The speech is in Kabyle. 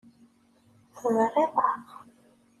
Tebriḍ-aɣ.